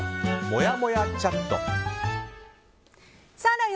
もやもやチャット。